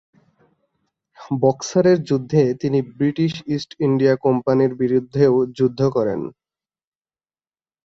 বক্সারের যুদ্ধে তিনি British East India কোম্পানির বিরুদ্ধেও যুদ্ধ করেন।